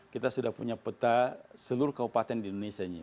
kita sudah punya peta seluruh kabupaten di indonesia ini